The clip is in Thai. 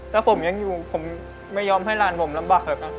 ถ้าผมยังอยู่ผมไม่ยอมให้หลานผมลำบากนะ